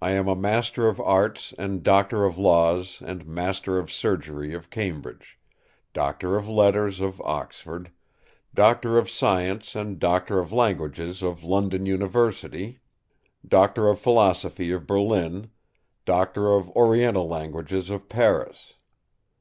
I am a Master of Arts and Doctor of Laws and Master of Surgery of Cambridge; Doctor of Letters of Oxford; Doctor of Science and Doctor of Languages of London University; Doctor of Philosophy of Berlin; Doctor of Oriental Languages of Paris.